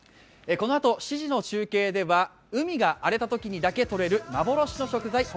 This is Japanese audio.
このあと７時の中継では海が荒れたときにだけとれる幻の食材